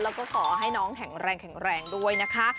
แล้วก็ขอให้น้องแข็งแรงแข็งแรงด้วยนะคะ